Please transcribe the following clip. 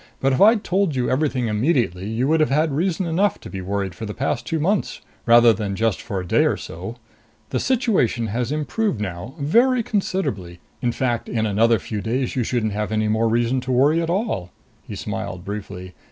"But if I'd told you everything immediately, you would have had reason enough to be worried for the past two months, rather than just for a day or so. The situation has improved now, very considerably. In fact, in another few days you shouldn't have any more reason to worry at all." He smiled briefly.